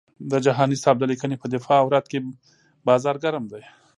د جهاني صاحب د لیکنې په دفاع او رد کې بازار ګرم دی.